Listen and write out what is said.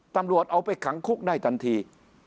ตำรวจเอาไปขังคุกได้ทันที